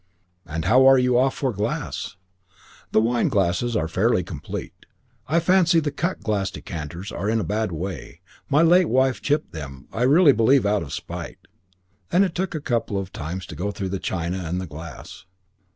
"And how are you off for glass?" "The wine glasses are fairly complete. I fancy the cut glass decanters are in a bad way. My late wife chipped them, I really believe out of spite." It took the couple some time to go through the china and the glass.